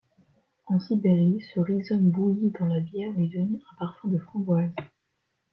En Sibérie, ce rhizome bouilli dans la bière lui donnait un parfum de framboise.